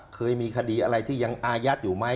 เคยมีคดีอะไรที่ยังอายัดอยู่ไหม